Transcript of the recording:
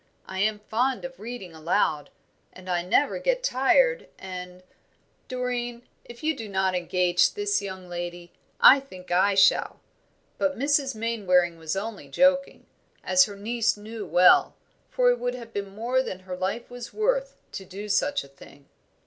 I am fond of reading aloud, and I never get tired, and " "Doreen, if you do not engage this young lady, I think I shall." But Mrs. Mainwaring was only joking, as her niece knew well, for it would have been more than her life was worth to do such a thing.